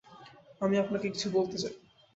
আমিও আপনাকে কিছু বলতে চাই।